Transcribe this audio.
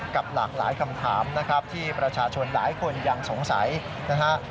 กับหลากหลายคำถามนะครับที่ประชาชนหลายคนยังสงสัยนะฮะ